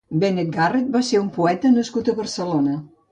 Benet Garret va ser un poeta nascut a Barcelona.